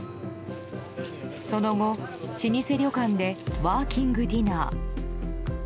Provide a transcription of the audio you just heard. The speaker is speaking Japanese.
その後、老舗旅館でワーキングディナー。